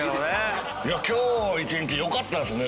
今日一日よかったですね